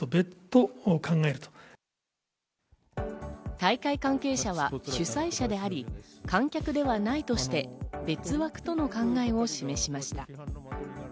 大会関係者は主催者であり観客ではないとして別枠との考えを示しました。